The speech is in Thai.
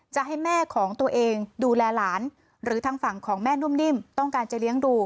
จะให้แม่ของตัวเองดูแลหลานหรือทางฝั่งของแม่นุ่มนิ่มต้องการจะเลี้ยงดู